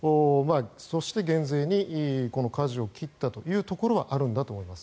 そして減税にかじを切ったというところはあると思います。